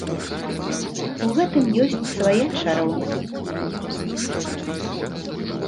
У гэтым ёсць свая чароўнасць.